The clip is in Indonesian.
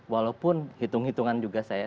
walaupun hitung hitungan juga saya